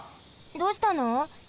どうしたの？